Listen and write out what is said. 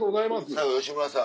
最後吉村さん